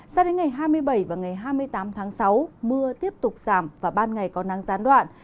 sao đến ngày hai mươi bảy và ngày hai mươi tám tháng sáu mưa tiếp tục giảm và ban ngày có nắng gián đoạn